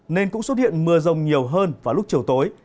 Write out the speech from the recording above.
nên cũng xuất hiện mưa rông nhiều hơn vào lúc chiều tối